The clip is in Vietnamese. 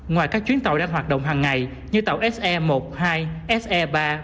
ngoài các chuyến tàu đang hoạt động hằng ngày như tàu se một hai se ba bốn